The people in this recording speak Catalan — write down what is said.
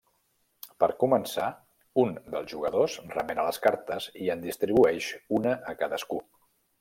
Per començar, un dels jugadors remena les cartes i en distribueix una a cadascú.